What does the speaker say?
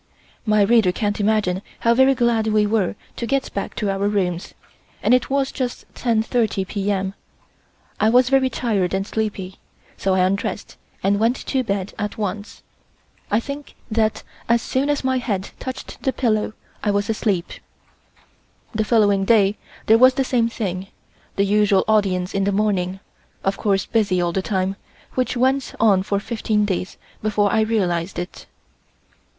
My reader can't imagine how very glad we were to get back to our rooms, and it was just 10:30 P. M. I was very tired and sleepy, so I undressed and went to bed at once. I think that as soon as my head touched the pillow I was asleep. The following day there was the same thing, the usual audience in the morning, of course busy all the time, which went on for fifteen days before I realized it.